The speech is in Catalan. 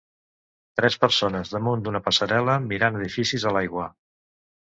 Tres persones damunt d'una passarel·la mirant edificis a l'aigua.